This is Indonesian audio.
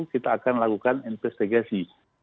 kita akan lakukan investigasi